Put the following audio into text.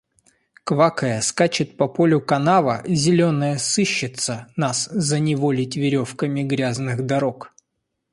Квакая, скачет по полю канава, зеленая сыщица, нас заневолить веревками грязных дорог.